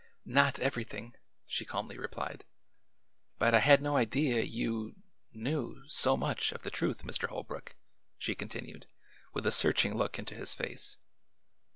"Not everything," she calmly replied. "But I had no idea you knew so much of the truth, Mr. Holbrook," she continued, with a searching look into his face.